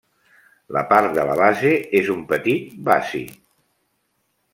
La part de la base és un petit bassi.